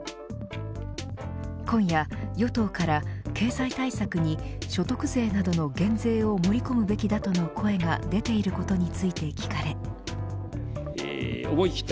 今夜、与党から経済対策に所得税などの減税を盛り込むべきだとの声が出ていることについて聞かれ。